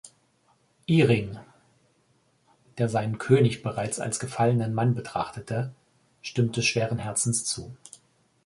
Iring, der seinen König bereits als gefallenen Mann betrachtete, stimmte schweren Herzens zu.